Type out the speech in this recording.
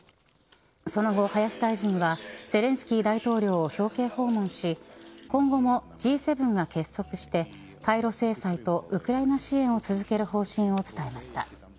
その後、林大臣はゼレンスキー大統領を表敬訪問し今後もＧ７が結束して対ロ制裁とウクライナ支援を続ける方針を伝えました。